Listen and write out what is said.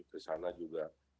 di sana juga